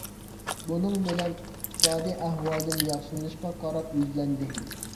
بۇنىڭ بىلەن ئىقتىسادى ئەھۋالىم ياخشىلىنىشقا قاراپ يۈزلەندى.